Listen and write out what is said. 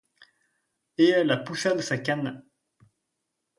Et elle la poussa de sa canne.